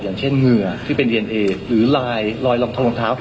อย่างเช่นเหงื่อที่เป็นยีเอนเทปหรือรอยรองทองของเท้า